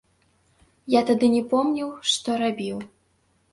Я тады не помніў, што рабіў.